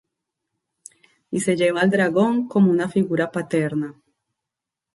Y se lleva al dragón como una figura paterna.